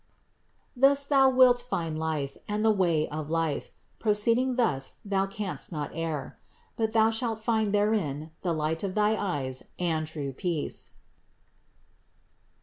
Thus thou wilt find life and the way of life, proceeding thus thou canst not err; but thou shalt find therein the light of thy eyes and true peace.